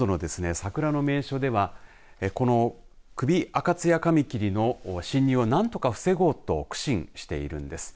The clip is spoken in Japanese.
桜の名所ではこちらのクビアカツヤカミキリの侵入を何とか防ごうと苦心しているんです。